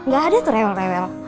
gak ada tuh rewel